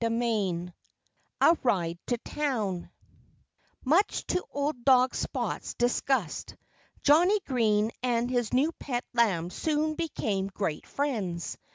II A RIDE TO TOWN Much to old dog Spot's disgust Johnnie Green and his new pet lamb soon became great friends.